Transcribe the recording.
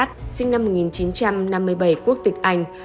sinh năm một nghìn chín trăm năm mươi bảy quốc tịch anh